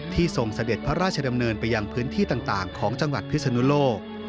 ทรงเสด็จพระราชดำเนินไปยังพื้นที่ต่างของจังหวัดพิศนุโลก